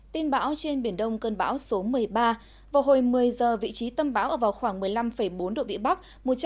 tin bão trên biển đông cơn bão số một mươi ba vào hồi một mươi giờ vị trí tâm bão ở vào khoảng một mươi năm bốn độ vĩ bắc